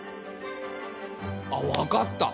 あっわかった！